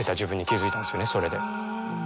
それで。